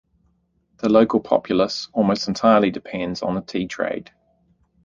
The local populace almost entirely depends on the tea trade.